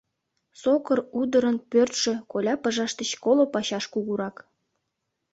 Сокыр удырын пӧртшӧ коля пыжаш деч коло пачаш кугурак.